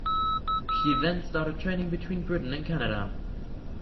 She then started trading between Britain and Canada.